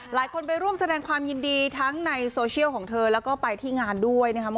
ไปร่วมแสดงความยินดีทั้งในโซเชียลของเธอแล้วก็ไปที่งานด้วยนะครับ